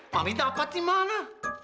mami dapat di mana